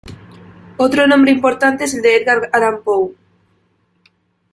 Otro nombre importante es el de Edgar Allan Poe.